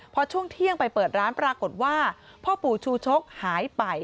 พอช่วงเที่ยงไปเปิดร้านปรากฏว่าพ่อปู่ชูชกหายไป